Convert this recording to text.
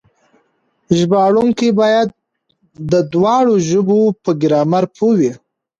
ژباړونکي بايد د دواړو ژبو په ګرامر پوه وي.